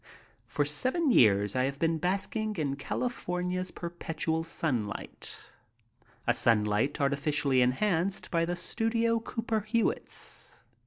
For seven years I have been basking in California's per petual sunlight, a sunlight artificially enhanced by the studio Cooper Hewitts.